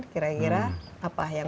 kira kira apa yang